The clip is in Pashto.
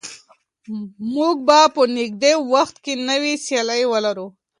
موږ به په نږدې وخت کې نوې سیالۍ ولرو.